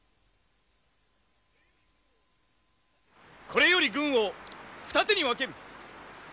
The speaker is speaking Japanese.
これより軍を二手に分ける！